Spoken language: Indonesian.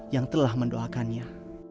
yang telah mendoakannya